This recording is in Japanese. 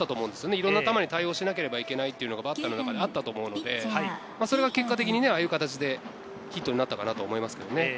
いろんな球に対応しなければいけないというのが、バッターはあったと思うんで、それが結果的にああいった形でヒットになったと思います。